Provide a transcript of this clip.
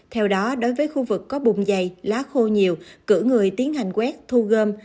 theo đó đối với khu vực có bùm dày lá khô nhiều cử người tiến hành quét thu gom